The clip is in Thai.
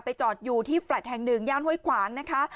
จอดอยู่ที่แฟลต์แห่งหนึ่งย่านห้วยขวางนะคะ